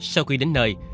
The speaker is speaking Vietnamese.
sau khi đến nơi